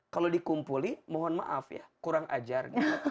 kalau dikumpulin mohon maaf ya kurang ajar